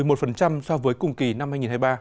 gần một mươi một so với cùng kỳ năm hai nghìn hai mươi ba